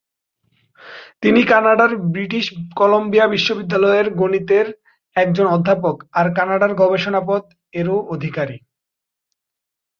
তিনি কানাডার British Columbia বিশ্ববিদ্যালয়ের গণিতের একজন অধ্যাপক আর "কানাডার গবেষণা পদ"-এরও অধিকারী।